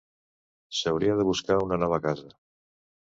S’hauria de buscar una nova casa.